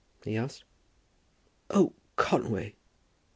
he asked. "Oh, Conway!"